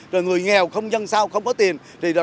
rồi người nghèo không dân sao không có tiền